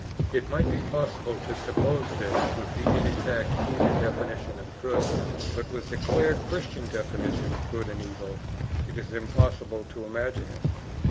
It might be possible to suppose this with the inexact heathen definition of good; but with the clear Christian definition of good and evil, it is impossible to imagine it.